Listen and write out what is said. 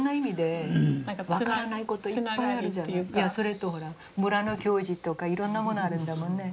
それとほら村の行事とかいろんなものあるんだもんね。